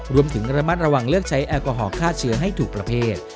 รวมถึงระมัดระวังเลือกใช้แอลกอฮอลฆ่าเชื้อให้ถูกประเภท